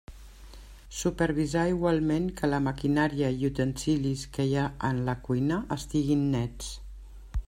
Supervisar igualment que la maquinària i utensilis que hi ha en la cuina estiguen nets.